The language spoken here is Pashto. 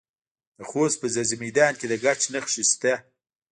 د خوست په ځاځي میدان کې د ګچ نښې شته.